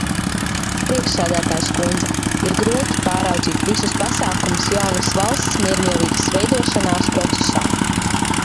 Priekšsēdētājas kundze, ir grūti pārraudzīt visus pasākumus jaunas valsts miermīlīgas veidošanās procesā.